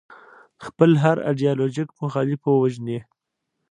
خپل هر ایدیالوژیک مخالف ووژني.